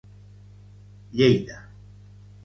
Lleida.